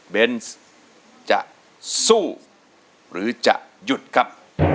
เบนส์จะสู้หรือจะหยุดครับ